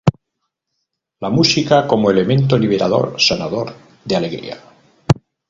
La música como elemento liberador, sanador de alegría.